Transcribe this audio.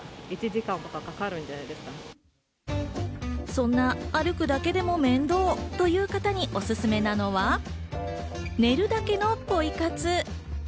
そんな歩くだけでも面倒という方におすすめなのは、寝るだけのポイ活。